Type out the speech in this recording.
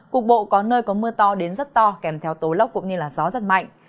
cục bộ có nơi có mưa to đến rất to kèm theo tố lốc cũng như gió rất mạnh